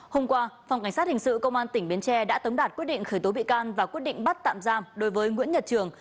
hôm qua phòng cảnh sát hình sự công an tỉnh bến tre đã tống đạt quyết định khởi tố bị can và quyết định bắt tạm giam đối với nguyễn nhật trường